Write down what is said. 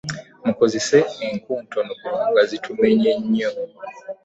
Mukozese enku ntono kubanga zitumenye nnyo.